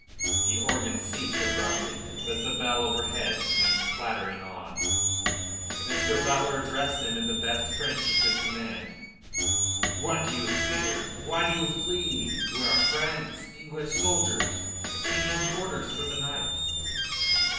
The organ ceased abruptly, but the bell overhead went clattering on. Mr. Butler addressed them in the best French he could command: "What do you fear? Why do you flee? We are friends English soldiers, seeking quarters for the night."